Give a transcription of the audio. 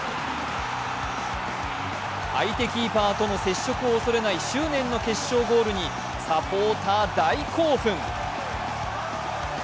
相手キーパーとの接触を恐れない執念のゴールにサポーター大興奮。